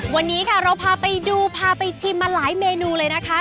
วันนี้ค่ะเราพาไปดูพาไปชิมมาหลายเมนูเลยนะคะ